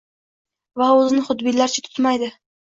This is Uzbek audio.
va o‘zini xudbinlarcha tutmaydi.